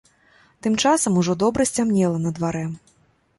Тым часам ужо добра сцямнела на дварэ.